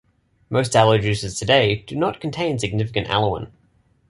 Most aloe juices today do not contain significant aloin.